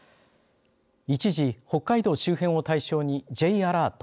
一時、北海道周辺を対象にＪアラート